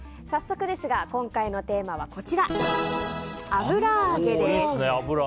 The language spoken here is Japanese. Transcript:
早速ですが、今回のテーマは油揚げです。